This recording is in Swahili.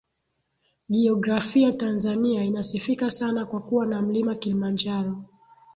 Jiografia Tanzania inasifika sana kwa kuwa na Mlima Kilimanjaro